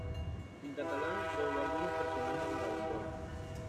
En catalán dobló a algunos personajes en Dragon Ball.